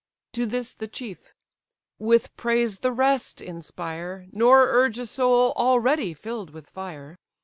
To this the chief: "With praise the rest inspire, Nor urge a soul already fill'd with fire.